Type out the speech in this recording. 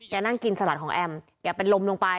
นั่งกินสลัดของแอมแกเป็นลมลงไป